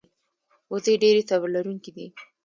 وزې ډېرې صبر لرونکې دي